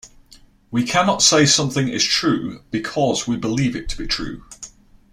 We cannot say something is true, because we believe it to be true.